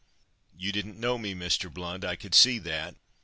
"You didn't know me, Mr. Blount, I could see that.